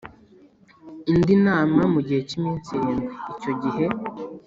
indi nama mu gihe cy iminsi irindwi Icyo gihe